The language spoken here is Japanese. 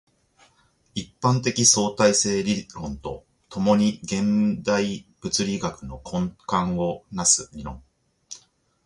一般相対性理論と共に現代物理学の根幹を成す理論